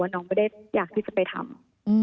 น้องไม่ได้อยากที่จะไปทำ